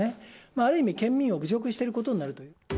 ある意味、県民を侮辱していることになると思う。